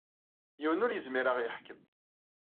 Yiwen ur yezmir ad aɣ-yeḥkem.